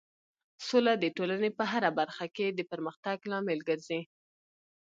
سوله د ټولنې په هر برخه کې د پرمختګ لامل ګرځي.